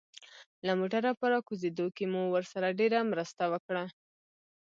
له موټره په راکوزېدو کې مو ورسره ډېره مرسته وکړه.